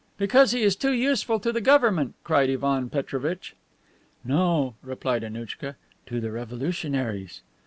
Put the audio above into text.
"Because he is too useful to the government," cried Ivan Petrovitch. "No," replied Annouchka; "to the revolutionaries."